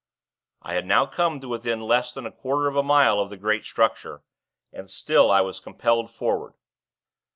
I had come now to within less than a quarter of a mile of the great structure, and still I was compelled forward.